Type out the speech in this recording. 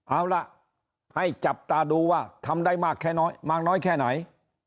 เอาล่ะให้จับตาดูว่าทำได้มากน้อยแค่ไหน